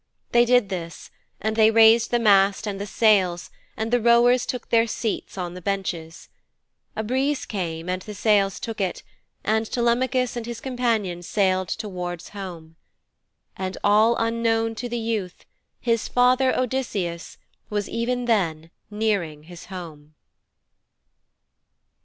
They did this, and they raised the mast and the sails and the rowers took their seats on the benches. A breeze came and the sails took it and Telemachus and his companions sailed towards home. And all unknown to the youth, his father, Odysseus, was even then nearing his home.